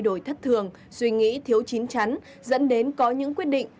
đổi thất thường suy nghĩ thiếu chín chắn dẫn đến có những quyết định